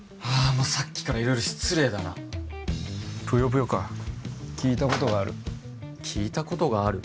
もうさっきから色々失礼だなぷよぷよか聞いたことがある聞いたことがある？